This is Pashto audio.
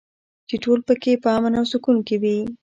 چې ټول پکې په امن او سکون کې وي.